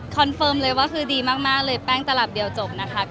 ถามซัมเบลดีมากเลยแป้งตลับเดียวจบนะคะ